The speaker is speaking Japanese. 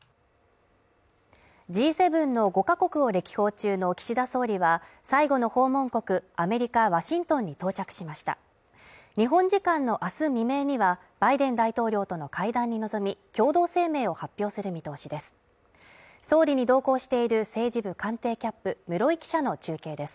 Ｇ７の５か国を歴訪中の岸田総理は最後の訪問国アメリカワシントンに到着しました日本時間のあす未明にはバイデン大統領との会談に臨み共同声明を発表する見通しです